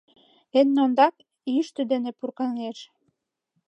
Эн ондак, йӱштӧ дене пуркаҥеш.